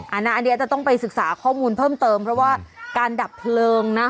อันนี้จะต้องไปศึกษาข้อมูลเพิ่มเติมเพราะว่าการดับเพลิงนะ